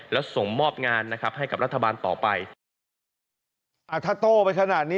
และส่งมอบงานให้กับรัฐบาลต่อไป